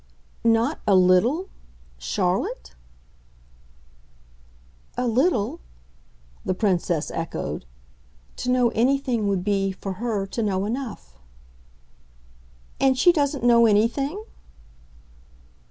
"Not a little Charlotte?" "A little?" the Princess echoed. "To know anything would be, for her, to know enough." "And she doesn't know anything?"